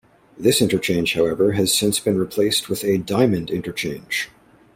This interchange, however, has since been replaced with a diamond interchange.